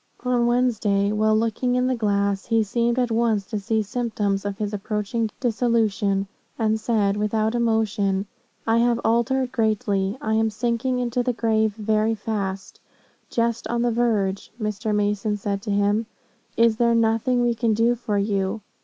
"On Wednesday, while looking in the glass, he seemed at once to see symptoms of his approaching dissolution, and said, without emotion, 'I have altered greatly I am sinking into the grave very fast just on the verge.' Mr. Mason said to him, 'Is there nothing we can do for you?